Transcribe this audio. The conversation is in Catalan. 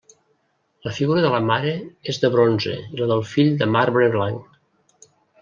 La figura de la mare és de bronze i la del fill de marbre blanc.